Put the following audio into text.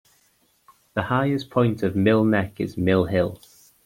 The highest point of Mill Neck is Mill Hill.